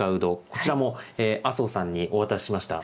こちらも麻生さんにお渡ししました。